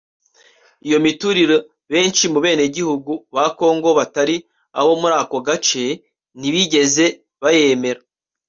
Iyo miturire benshi mu benegihugu ba Congo batari abo muri ako gace ntibigeze bayemera